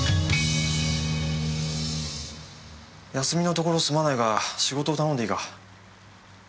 休みのところすまないが仕事を頼んでいいか？